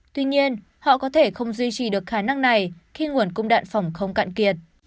tuy nhiên họ có thể không duy trì được khả năng này khi nguồn cung đạn phòng không cạn kiệt